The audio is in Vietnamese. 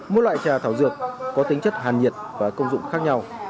mỗi loại trà thảo dược có tính chất hàn nhiệt và công dụng khác nhau